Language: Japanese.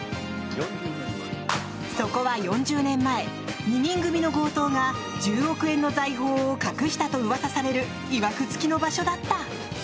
そこは４０年前、２人組の強盗が１０億円の財宝を隠したとうわさされるいわく付きの場所だった。